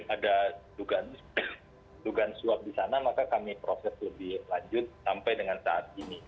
ada dugaan suap di sana maka kami proses lebih lanjut sampai dengan saat ini